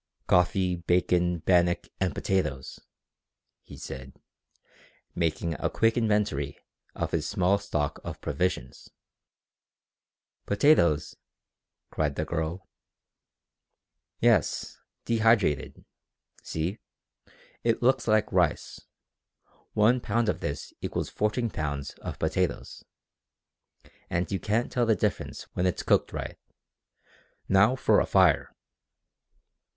"Coffee, bacon, bannock, and potatoes," he said, making a quick inventory of his small stock of provisions. "Potatoes!" cried the girl. "Yes dehydrated. See? It looks like rice. One pound of this equals fourteen pounds of potatoes. And you can't tell the difference when it's cooked right. Now for a fire!"